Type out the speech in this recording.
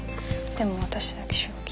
でも私だけ小吉。